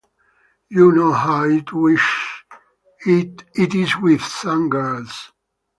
You know how it is with some girls.